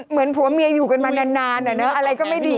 เหมือนผัวเมียอยู่กันมานานอะไรก็ไม่ดี